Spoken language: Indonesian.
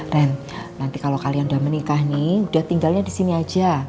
ren nanti kalau kalian udah menikah nih udah tinggalnya disini aja